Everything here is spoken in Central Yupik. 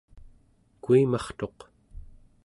kuimartuq